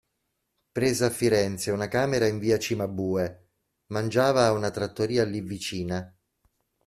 Presa a Firenze una camera in Via Cimabue, mangiava a una trattoria, lì vicina.